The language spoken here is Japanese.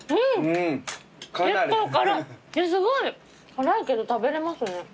辛いけど食べれますね。